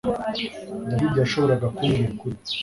David yashoboraga kumbwira ukuri